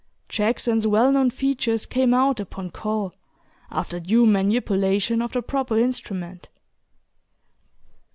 Jackson's well known features came out upon call, after due manipulation of the proper instrument.